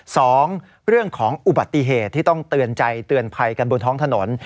สองเรื่องของอุบัติเหตุที่ต้องเตือนใจเตือนภัยกันบนท้องถนน